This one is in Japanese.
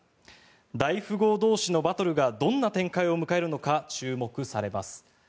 大富豪同士のバトルがどんな展開を迎えるのか注目されます。